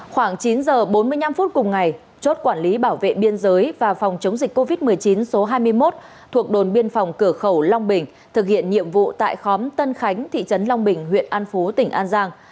khoảng chín h bốn mươi năm phút cùng ngày chốt quản lý bảo vệ biên giới và phòng chống dịch covid một mươi chín số hai mươi một thuộc đồn biên phòng cửa khẩu long bình thực hiện nhiệm vụ tại khóm tân khánh thị trấn long bình huyện an phú tỉnh an giang